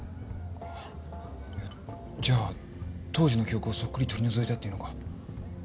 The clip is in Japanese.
じゃあ当時の記憶をそっくり取り除いたっていうのか？